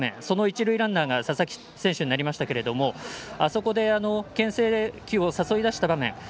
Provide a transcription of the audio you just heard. その一塁ランナーが佐々木選手になりましたけれどもあそこでけん制球を誘い出した場面。